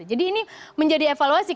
jadi ini menjadi evaluasi